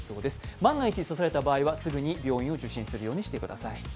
万が一、刺された場合はすぐに病院を受診するようにしてください。